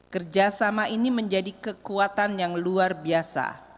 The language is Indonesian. kerjasama ini menjadi kekuatan yang luar biasa